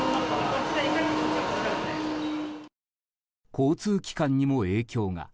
交通機関にも影響が。